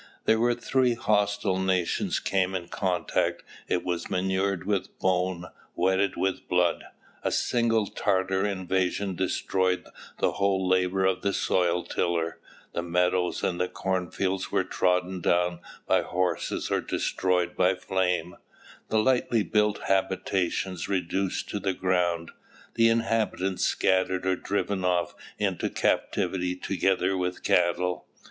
"There where three hostile nations came in contact it was manured with bones, wetted with blood. A single Tatar invasion destroyed the whole labour of the soil tiller; the meadows and the cornfields were trodden down by horses or destroyed by flame, the lightly built habitations reduced to the ground, the inhabitants scattered or driven off into captivity together with cattle.